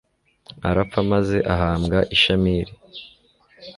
arapfa maze ahambwa i shamiri